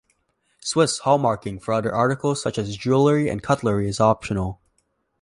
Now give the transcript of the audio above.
Swiss hallmarking for other articles such as jewelry and cutlery is optional.